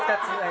２つ。